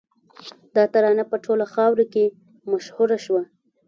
دا ترانه په ټوله خاوره کې مشهوره شوه